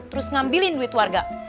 terus ngambilin duit warga